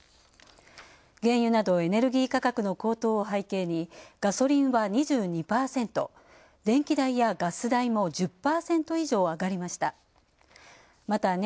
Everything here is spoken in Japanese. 原油などエネルギー価格の高騰を背景にガソリンは２２％、電気代やガス代も１０％以上上がりました。